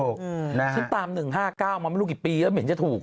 ฉันตาม๑๕๙มาไม่รู้กี่ปีแล้วเหม็นจะถูก